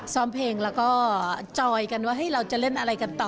ซ้อมเพลงแล้วก็จอยกันว่าเราจะเล่นอะไรกันต่อ